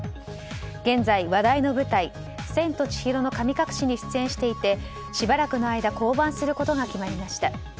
現在、話題の舞台「千と千尋の神隠し」に出演していてしばらくの間降板することが決まりました。